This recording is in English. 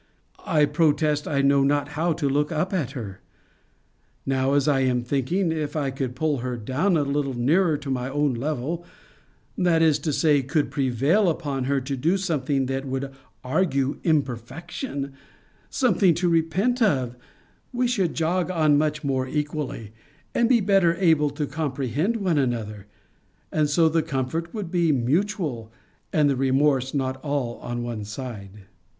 I protest I know not how to look up at her! Now, as I am thinking, if I could pull her down a little nearer to my own level; that is to say, could prevail upon her to do something that would argue imperfection, something to repent of; we should jog on much more equally, and be better able to comprehend one another: and so the comfort would be mutual, and the remorse not all on one side.